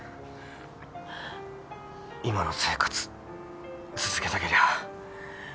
今の生活続けたけりゃ。